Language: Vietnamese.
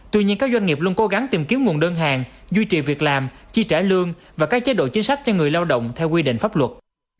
tuy nhiên các doanh nghiệp luôn cố gắng tìm kiếm nguồn đơn hàng duy trì việc làm chi trả lương và các chế độ chính sách cho người lao động theo quy định pháp luật